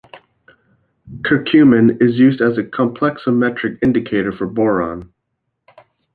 Curcumin is used as a complexometric indicator for boron.